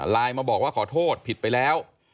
มาบอกว่าขอโทษผิดไปแล้ว